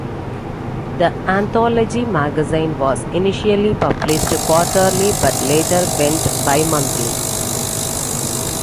The anthology magazine was initially published quarterly but later went bimonthly.